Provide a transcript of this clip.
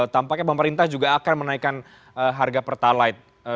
tampaknya pemerintah juga akan menaikkan harga pertalite